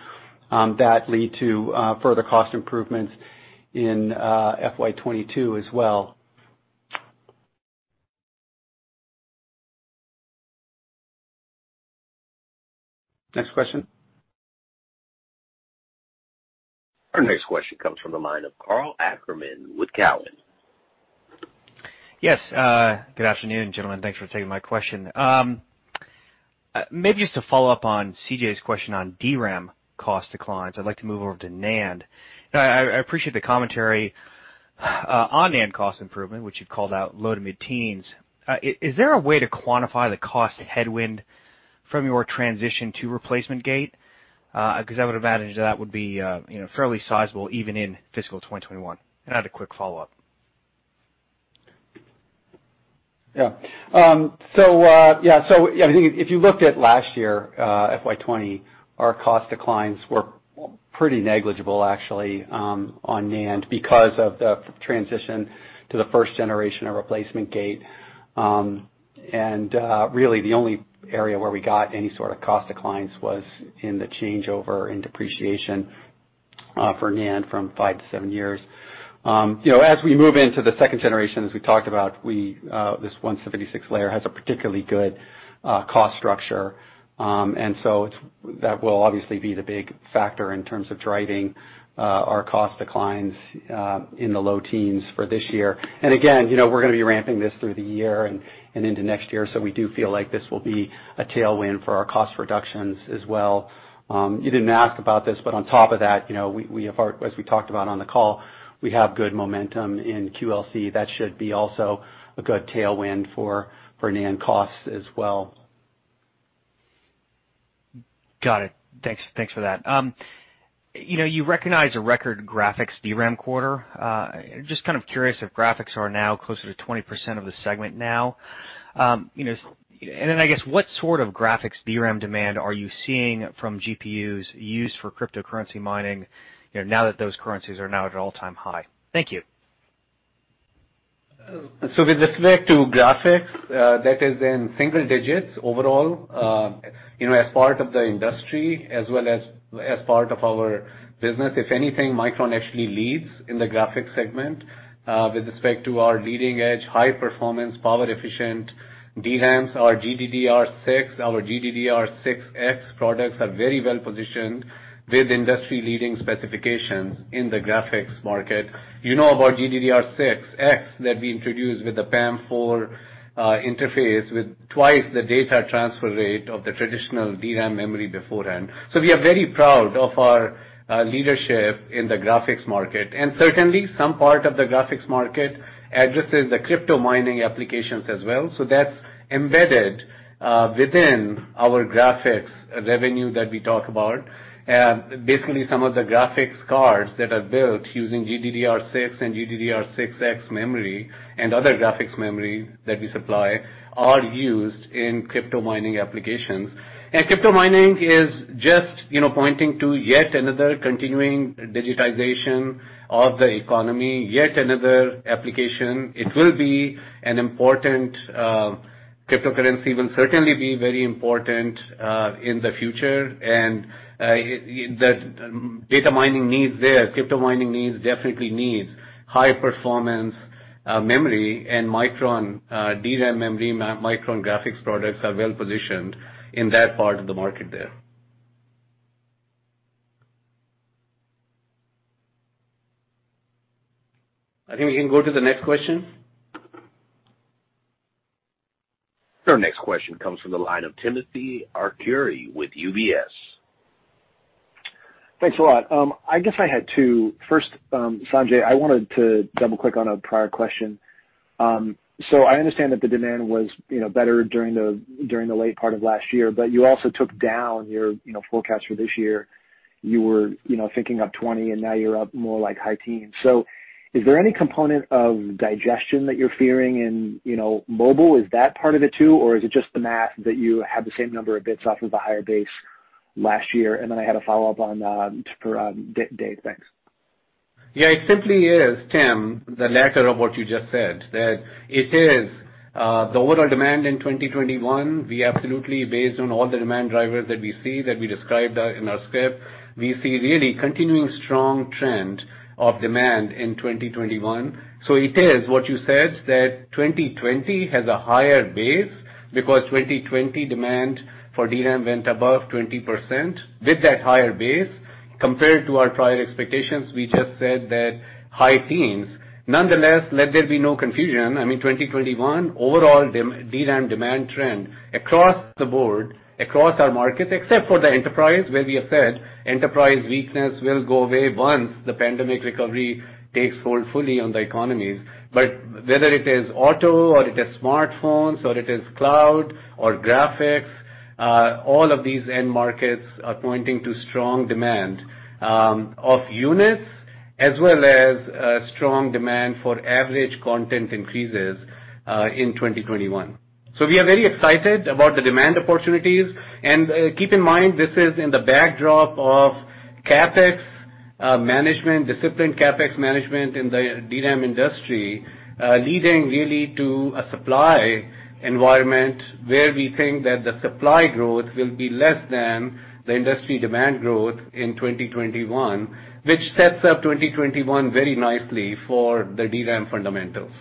that lead to further cost improvements in FY 2022 as well. Next question. Our next question comes from the line of Karl Ackerman with Cowen. Yes. Good afternoon, gentlemen. Thanks for taking my question. Maybe just to follow up on C.J.'s question on DRAM cost declines, I'd like to move over to NAND. I appreciate the commentary on NAND cost improvement, which you called out low to mid-teens. Is there a way to quantify the cost headwind from your transition to replacement gate? Because I would imagine that would be fairly sizable even in fiscal 2021. I had a quick follow-up. Yeah. I think if you looked at last year, FY 2020, our cost declines were pretty negligible actually, on NAND because of the transition to the first generation of replacement gate. Really the only area where we got any sort of cost declines was in the changeover in depreciation for NAND from five to seven years. As we move into the second generation, as we talked about, this 176 layer has a particularly good cost structure. That will obviously be the big factor in terms of driving our cost declines in the low teens for this year. Again, we're going to be ramping this through the year and into next year, so we do feel like this will be a tailwind for our cost reductions as well. You didn't ask about this, but on top of that, as we talked about on the call, we have good momentum in QLC. That should be also a good tailwind for NAND costs as well. Got it. Thanks for that. You recognize a record graphics DRAM quarter. Just kind of curious if graphics are now closer to 20% of the segment now. I guess, what sort of graphics DRAM demand are you seeing from GPUs used for cryptocurrency mining, now that those currencies are now at all-time high? Thank you. With respect to graphics, that is in single digits overall. As part of the industry as well as part of our business, if anything, Micron actually leads in the graphics segment with respect to our leading-edge high performance, power efficient DRAMs, our GDDR6, our GDDR6X products are very well positioned with industry-leading specifications in the graphics market. You know about GDDR6X that we introduced with the PAM4 interface with twice the data transfer rate of the traditional DRAM memory beforehand. We are very proud of our leadership in the graphics market. Certainly, some part of the graphics market addresses the crypto mining applications as well. That's embedded within our graphics revenue that we talk about. Basically, some of the graphics cards that are built using GDDR6 and GDDR6X memory and other graphics memory that we supply are used in crypto mining applications. Crypto mining is just pointing to yet another continuing digitization of the economy, yet another application. Cryptocurrency will certainly be very important in the future. The data mining needs there, crypto mining needs, definitely needs high performance memory and Micron DRAM memory, Micron graphics products are well positioned in that part of the market there. I think we can go to the next question. Our next question comes from the line of Timothy Arcuri with UBS. Thanks a lot. I guess I had two. First, Sanjay, I wanted to double-click on a prior question. I understand that the demand was better during the late part of last year, but you also took down your forecast for this year. You were thinking up 20%, and now you're up more like high teens. Is there any component of digestion that you're fearing in mobile? Is that part of it, too, or is it just the math that you had the same number of bits off of a higher base last year? Then I had a follow-up for Dave. Thanks. Yeah, it simply is, Tim, the latter of what you just said, that it is the overall demand in 2021, we absolutely, based on all the demand drivers that we see, that we described in our script, we see really continuing strong trend of demand in 2021. it is what you said, that 2020 has a higher base because 2020 demand for DRAM went above 20%. With that higher base, compared to our prior expectations, we just said that high teens. Nonetheless, let there be no confusion. I mean, 2021, overall DRAM demand trend across the board, across our markets, except for the enterprise, where we have said enterprise weakness will go away once the pandemic recovery takes hold fully on the economies. Whether it is auto or it is smartphones or it is cloud or graphics, all of these end markets are pointing to strong demand of units as well as strong demand for average content increases in 2021. We are very excited about the demand opportunities. keep in mind, this is in the backdrop of CapEx management, disciplined CapEx management in the DRAM industry, leading really to a supply environment where we think that the supply growth will be less than the industry demand growth in 2021, which sets up 2021 very nicely for the DRAM fundamentals.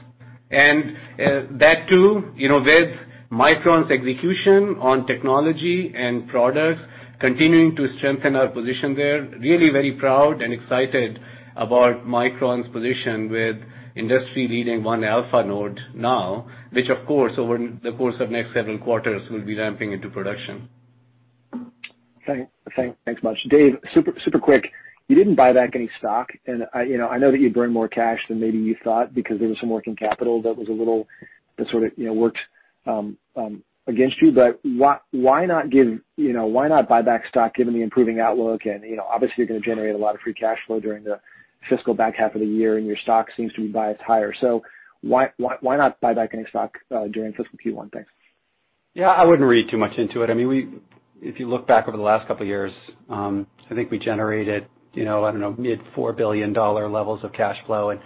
that, too, with Micron's execution on technology and products continuing to strengthen our position there, really very proud and excited about Micron's position with industry-leading 1-alpha node now, which, of course, over the course of next several quarters, will be ramping into production. Thanks much. Dave, super quick. You didn't buy back any stock, and I know that you burned more cash than maybe you thought because there was some working capital that sort of worked against you. Why not buy back stock given the improving outlook and obviously you're going to generate a lot of free cash flow during the fiscal back half of the year and your stock seems to be biased higher. Why not buy back any stock during fiscal Q1? Thanks. Yeah, I wouldn't read too much into it. If you look back over the last couple of years, I think we generated, I don't know, mid $4 billion levels of cash flow and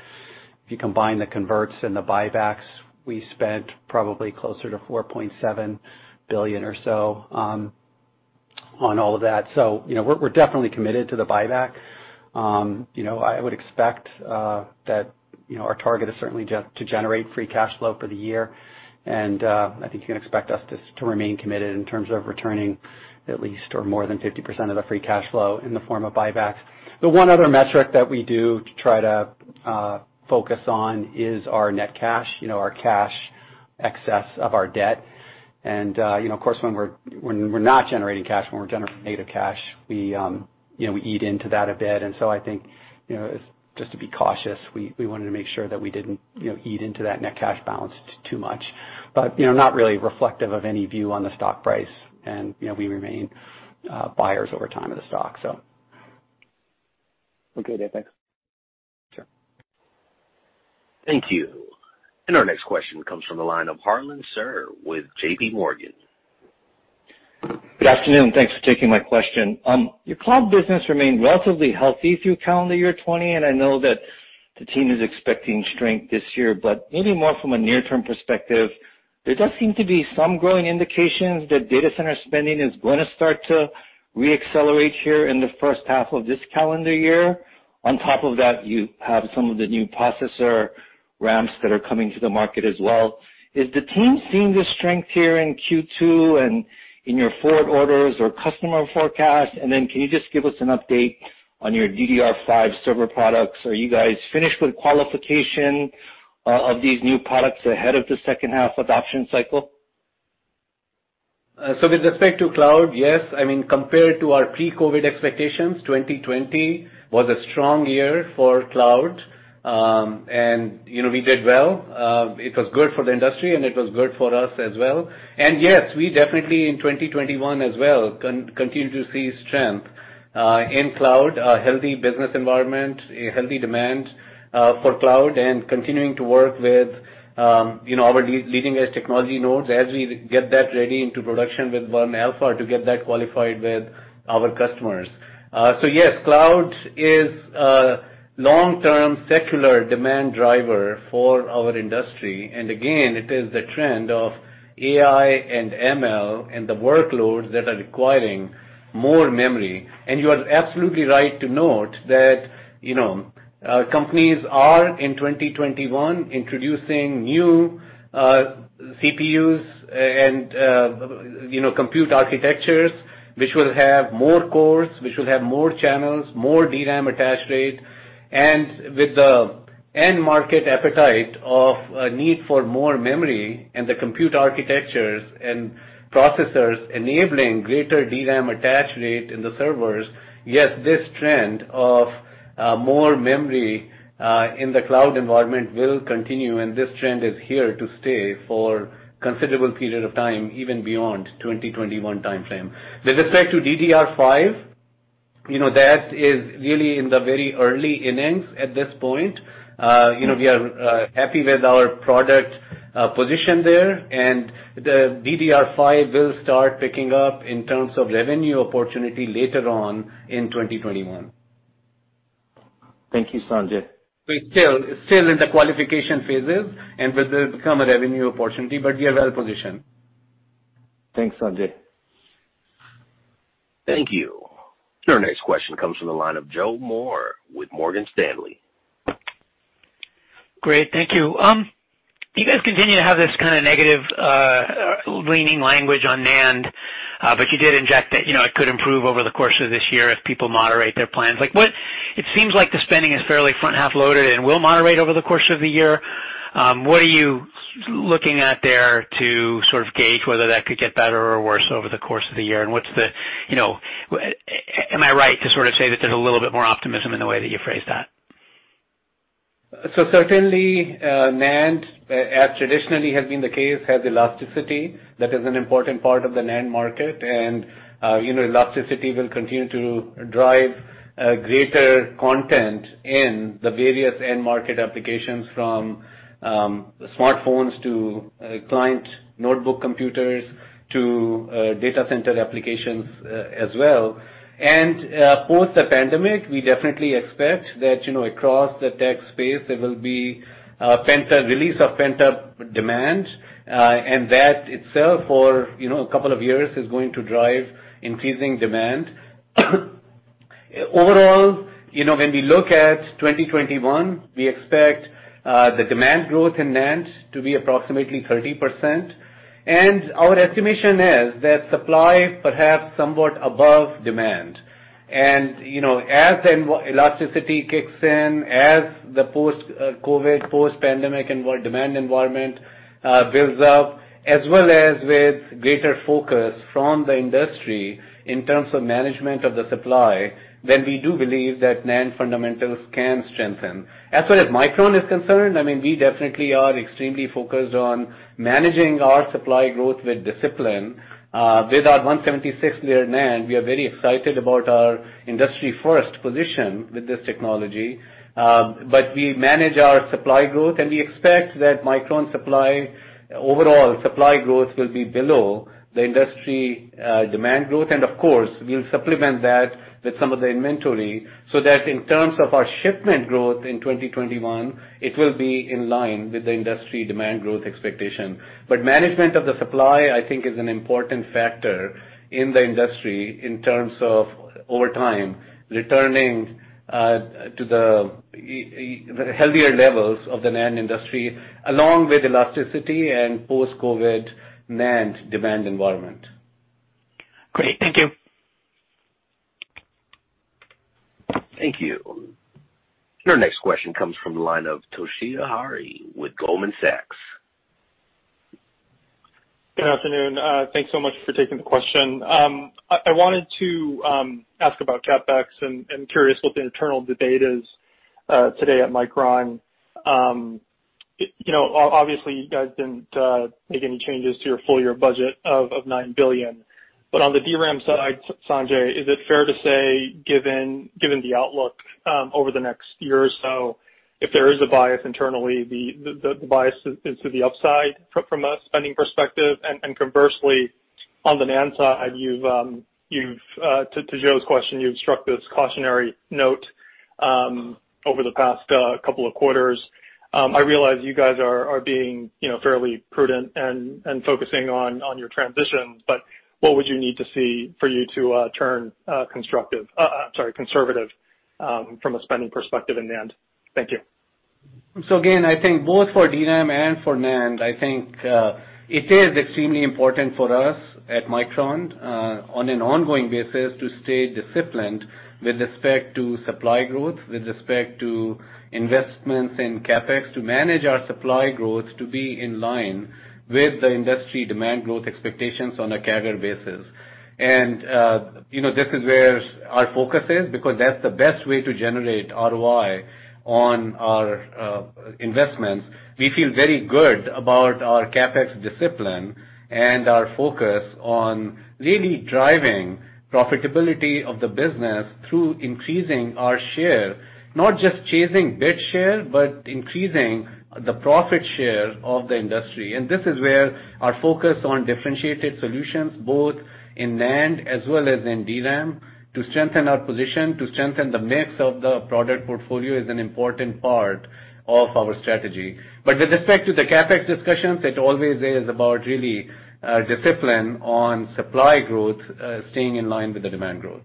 if you combine the converts and the buybacks, we spent probably closer to $4.7 billion or so on all of that. We're definitely committed to the buyback. I would expect that our target is certainly to generate free cash flow for the year. I think you can expect us to remain committed in terms of returning at least or more than 50% of the free cash flow in the form of buybacks. The one other metric that we do to try to focus on is our net cash, our cash excess of our debt. Of course, when we're not generating cash, when we're generating negative cash, we eat into that a bit. I think, just to be cautious, we wanted to make sure that we didn't eat into that net cash balance too much, not really reflective of any view on the stock price. We remain buyers over time of the stock. Okay. Dave, thanks. Sure. Thank you. Our next question comes from the line of Harlan Sur with JPMorgan. Good afternoon. Thanks for taking my question. Your cloud business remained relatively healthy through calendar year 2020, and I know that the team is expecting strength this year, but maybe more from a near-term perspective, there does seem to be some growing indications that data center spending is going to start to re-accelerate here in the first half of this calendar year. On top of that, you have some of the new processor ramps that are coming to the market as well. Is the team seeing the strength here in Q2 and in your forward orders or customer forecast? Can you just give us an update on your DDR5 server products? Are you guys finished with qualification of these new products ahead of the second half adoption cycle? With respect to cloud, yes. Compared to our pre-COVID expectations, 2020 was a strong year for cloud. We did well. It was good for the industry, and it was good for us as well. Yes, we definitely in 2021 as well, continue to see strength, in cloud, a healthy business environment, a healthy demand for cloud and continuing to work with our leading-edge technology nodes as we get that ready into production with 1-alpha to get that qualified with our customers. Yes, cloud is a long-term secular demand driver for our industry, and again, it is the trend of AI and ML and the workloads that are requiring more memory. You are absolutely right to note that companies are in 2021 introducing new CPUs and compute architectures which will have more cores, which will have more channels, more DRAM attach rate. With the end market appetite of a need for more memory and the compute architectures and processors enabling greater DRAM attach rate in the servers, yes, this trend of more memory in the cloud environment will continue, and this trend is here to stay for considerable period of time, even beyond 2021 timeframe. With respect to DDR5, that is really in the very early innings at this point. We are happy with our product position there, and the DDR5 will start picking up in terms of revenue opportunity later on in 2021. Thank you, Sanjay. It's still in the qualification phases and will become a revenue opportunity, but we are well positioned. Thanks, Sanjay. Thank you. Your next question comes from the line of Joe Moore with Morgan Stanley. Great. Thank you. You guys continue to have this kind of negative leaning language on NAND, but you did inject that it could improve over the course of this year if people moderate their plans. It seems like the spending is fairly front half loaded and will moderate over the course of the year. What are you looking at there to sort of gauge whether that could get better or worse over the course of the year? Am I right to sort of say that there's a little bit more optimism in the way that you phrased that? Certainly, NAND, as traditionally has been the case, has elasticity. That is an important part of the NAND market. Elasticity will continue to drive greater content in the various end market applications from smartphones to client notebook computers to data center applications as well. Post the pandemic, we definitely expect that across the tech space, there will be a release of pent-up demand, and that itself for a couple of years is going to drive increasing demand. Overall, when we look at 2021, we expect the demand growth in NAND to be approximately 30%. Our estimation is that supply perhaps somewhat above demand. As elasticity kicks in, as the post-COVID, post-pandemic demand environment builds up, as well as with greater focus from the industry in terms of management of the supply, then we do believe that NAND fundamentals can strengthen. As far as Micron is concerned, we definitely are extremely focused on managing our supply growth with discipline. With our 176-layer NAND, we are very excited about our industry first position with this technology. We manage our supply growth, and we expect that Micron supply overall supply growth will be below the industry demand growth. Of course, we'll supplement that with some of the inventory so that in terms of our shipment growth in 2021, it will be in line with the industry demand growth expectation. Management of the supply, I think, is an important factor in the industry in terms of over time returning to the healthier levels of the NAND industry, along with elasticity and post-COVID NAND demand environment. Great. Thank you. Thank you. Your next question comes from the line of Toshiya Hari with Goldman Sachs. Good afternoon. Thanks so much for taking the question. I wanted to ask about CapEx and curious what the internal debate is today at Micron. Obviously, you guys didn't make any changes to your full year budget of $9 billion. On the DRAM side, Sanjay, is it fair to say, given the outlook over the next year or so, if there is a bias internally, the bias is to the upside from a spending perspective? Conversely, on the NAND side, to Joe's question, you've struck this cautionary note over the past couple of quarters. I realize you guys are being fairly prudent and focusing on your transition, but what would you need to see for you to turn conservative from a spending perspective in NAND? Thank you. Again, I think both for DRAM and for NAND, I think it is extremely important for us at Micron on an ongoing basis to stay disciplined with respect to supply growth, with respect to investments in CapEx, to manage our supply growth, to be in line with the industry demand growth expectations on a CAGR basis. This is where our focus is, because that's the best way to generate ROI on our investments. We feel very good about our CapEx discipline and our focus on really driving profitability of the business through increasing our share, not just chasing bit share, but increasing the profit share of the industry. this is where our focus on differentiated solutions, both in NAND as well as in DRAM, to strengthen our position, to strengthen the mix of the product portfolio is an important part of our strategy. With respect to the CapEx discussions, it always is about really discipline on supply growth staying in line with the demand growth.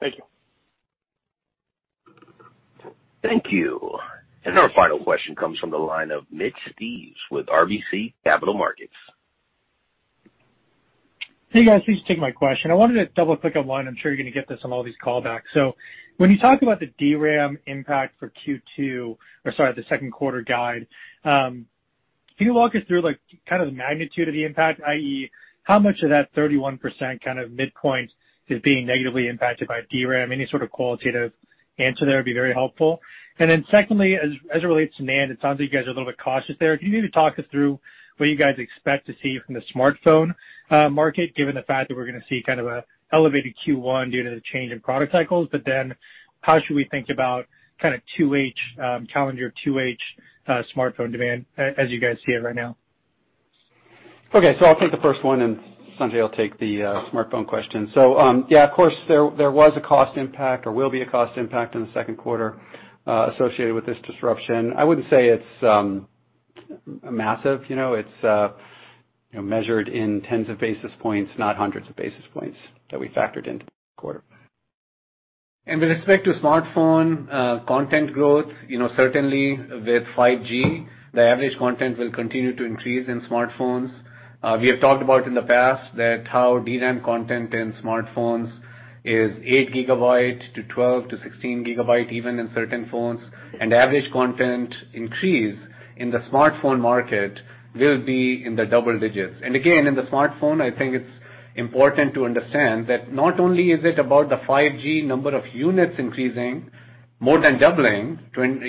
Thank you. Thank you. Our final question comes from the line ofMitch Steves with RBC Capital Markets. Hey, guys. Please take my question. I wanted to double-click on one. I'm sure you're going to get this on all these callbacks. When you talk about the DRAM impact for Q2, or, sorry, the second quarter guide, can you walk us through the magnitude of the impact, i.e., how much of that 31% midpoint is being negatively impacted by DRAM? Any sort of qualitative answer there would be very helpful. Then secondly, as it relates to NAND, it sounds like you guys are a little bit cautious there. Can you maybe talk us through what you guys expect to see from the smartphone market, given the fact that we're going to see an elevated Q1 due to the change in product cycles, but then how should we think about calendar 2H smartphone demand as you guys see it right now? Okay. I'll take the first one and Sanjay will take the smartphone question. Yeah, of course, there was a cost impact or will be a cost impact in the second quarter associated with this disruption. I wouldn't say it's massive. It's measured in 10 basis points, not 100 basis points that we factored into the quarter. With respect to smartphone content growth, certainly with 5G, the average content will continue to increase in smartphones. We have talked about in the past that how DRAM content in smartphones is 8 Gb to 12 Gb to 16 Gb even in certain phones, and average content increase in the smartphone market will be in the double digits. Again, in the smartphone, I think it's important to understand that not only is it about the 5G number of units increasing, more than doubling calendar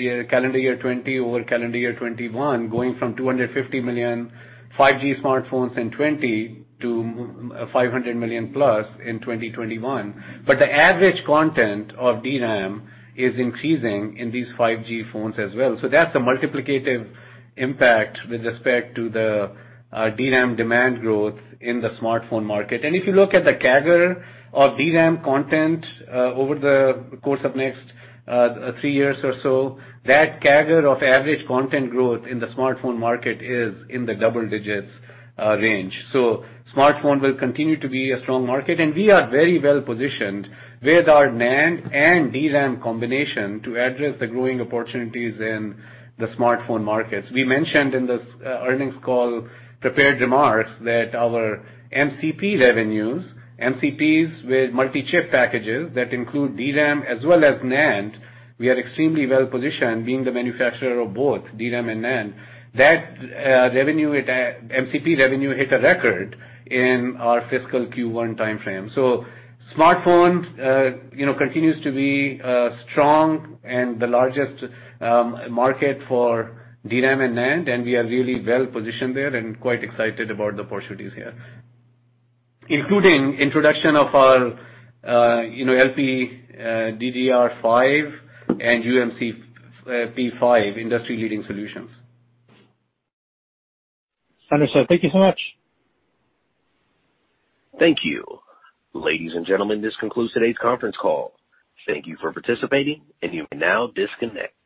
year 2020 over calendar year 2021, going from 250 million 5G smartphones in 2020 to 500+ million in 2021. The average content of DRAM is increasing in these 5G phones as well. That's the multiplicative impact with respect to the DRAM demand growth in the smartphone market. If you look at the CAGR of DRAM content over the course of next three years or so, that CAGR of average content growth in the smartphone market is in the double digits range. smartphone will continue to be a strong market, and we are very well positioned with our NAND and DRAM combination to address the growing opportunities in the smartphone markets. We mentioned in this earnings call prepared remarks that our MCP revenues, MCPs with multi-chip packages that include DRAM as well as NAND, we are extremely well positioned being the manufacturer of both DRAM and NAND. That MCP revenue hit a record in our fiscal Q1 timeframe. Smartphone continues to be strong and the largest market for DRAM and NAND, and we are really well positioned there and quite excited about the opportunities here, including introduction of our LPDDR5 and uMCP5 industry-leading solutions. Understood. Thank you so much. Thank you. Ladies and gentlemen, this concludes today's conference call. Thank you for participating, and you may now disconnect.